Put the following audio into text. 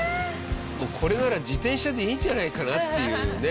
これなら自転車でいいんじゃないかなっていうね